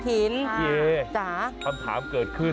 ทุกข้าทุกข้าทุกข้าทุกข้า